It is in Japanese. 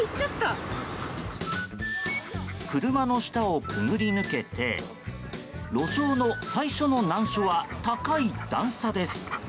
車の下を潜り抜けて路上の最初の難所は高い段差です。